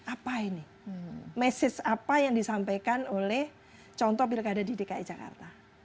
apa ini message apa yang disampaikan oleh contoh pilkada didikai jakarta